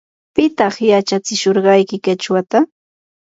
¿pitaq yachatsishurqayki qichwata?